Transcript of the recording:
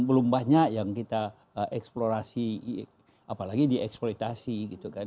belum banyak yang kita eksplorasi apalagi dieksploitasi gitu kan